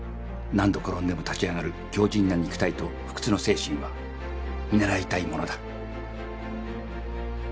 何度転んでも立ち上がる強じんな肉体と不屈の精神は見習いたいものだ。